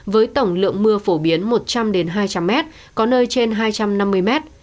với tổng lượng mưa phổ biến một trăm linh hai trăm linh mét có nơi trên hai trăm năm mươi mét